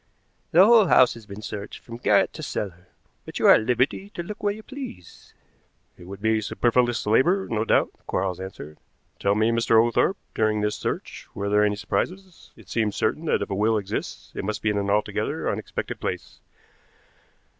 "The whole house has been searched from garret to cellar, but you are at liberty to look where you please." "It would be superfluous labor, no doubt," Quarles answered. "Tell me, Mr. Oglethorpe, during this search were there any surprises? It seems certain that if a will exists it must be in an altogether unexpected place.